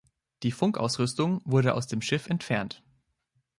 Die Funkausrüstung wurde aus dem Schiff entfernt.